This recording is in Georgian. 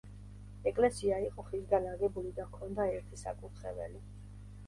ეკლესია იყო ხისგან აგებული და ჰქონდა ერთი საკურთხეველი.